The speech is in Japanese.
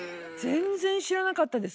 全然知らなかったです